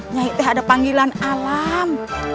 nyi itu ada panggilan alam